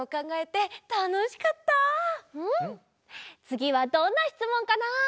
つぎはどんなしつもんかな？